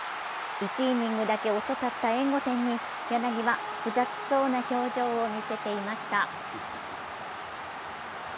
１イニングだけ遅かった援護点に柳は複雑そうな表情を見せていました。